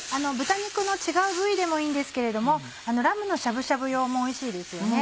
豚肉の違う部位でもいいんですけれどもラムのしゃぶしゃぶ用もおいしいですよ。